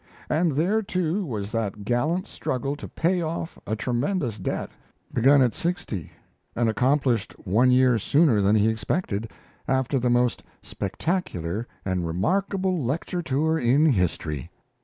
And there too was that gallant struggle to pay off a tremendous debt, begun at sixty and accomplished one year sooner than he expected after the most spectacular and remarkable lecture tour in history.